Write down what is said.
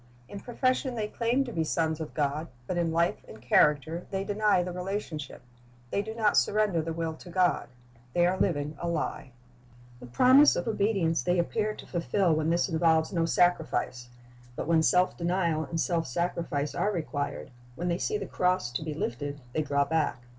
In profession they claim to be sons of God, but in life and character they deny the relationship. They do not surrender the will to God. They are living a lie. The promise of obedience they appear to fulfil when this involves no sacrifice; but when self denial and self sacrifice are required, when they see the cross to be lifted, they draw back.